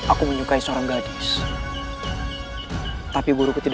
aku mempunyai seorang ibu yang harus aku jaga